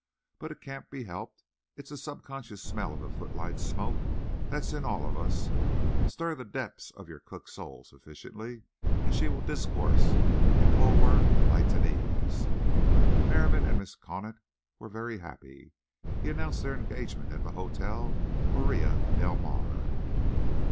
But it can't be helped. It's the subconscious smell of the footlights' smoke that's in all of us. Stir the depths of your cook's soul sufficiently and she will discourse in Bulwer Lyttonese. Merriam and Mrs. Conant were very happy. He announced their engagement at the Hotel Orilla del Mar.